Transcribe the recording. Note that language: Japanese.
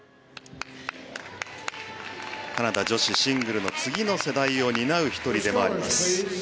カナダ女子シングルの次の世代を担う１人でもあります。